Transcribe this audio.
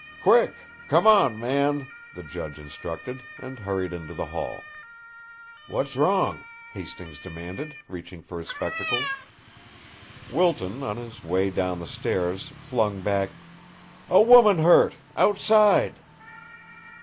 "Quick! Come on, man!" the judge instructed, and hurried into the hall. "What's wrong?" Hastings demanded, reaching for his spectacles. Wilton, on his way down the stairs, flung back: "A woman hurt outside."